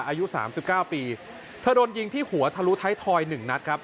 อายุ๓๙ปีเธอโดนยิงที่หัวทะลุท้ายทอย๑นัดครับ